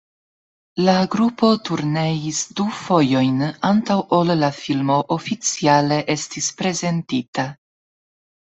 La grupo turneis du fojojn, antaŭ ol la filmo oficiale estis prezentita.